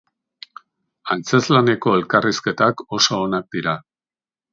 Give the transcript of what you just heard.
Antzezlaneko elkarrizketak oso onak dira.